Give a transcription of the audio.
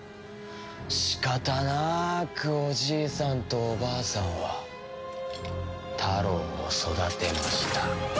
仕方なーくおじいさんとおばあさんはタロウを育てました。